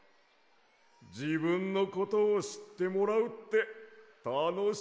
じぶんのことをしってもらうってたのしいんだな！